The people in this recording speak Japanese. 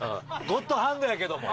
ゴッドハンドやけども。